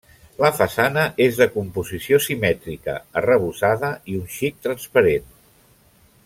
La façana és de composició simètrica, arrebossada i un xic transparent.